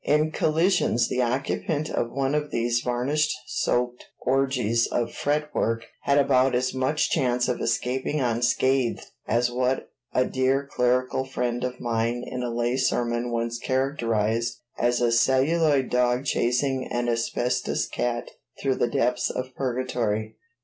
In collisions the occupant of one of these varnish soaked orgies of fretwork had about as much chance of escaping unscathed as what a dear clerical friend of mine in a lay sermon once characterized as "a celluloid dog chasing an asbestos cat through the depths of purgatory."